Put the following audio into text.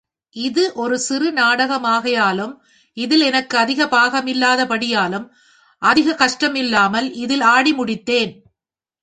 இது ஒரு சிறு நாடகமாகையாலும், இதில் எனக்கு அதிக பாகமில்லாத படியாலும், அதிகக் கஷ்டமில்லாமல் இதில ஆடி முடித்தேன்.